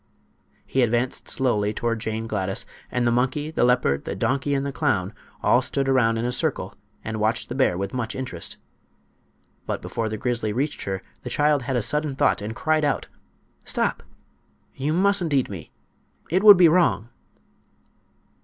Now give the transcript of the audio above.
He advanced slowly toward Jane Gladys, and the monkey, the leopard, the donkey and the clown all stood around in a circle and watched the bear with much interest. But before the grizzly reached her the child had a sudden thought, and cried out: "Stop! You mustn't eat me. It would be wrong."